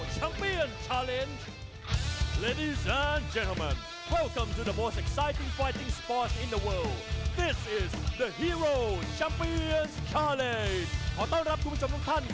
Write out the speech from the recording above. สวัสดีครับทุกคนสวัสดีครับทุกคนสวัสดีครับทุกคน